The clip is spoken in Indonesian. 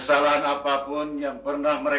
sebagai anak yang dihormati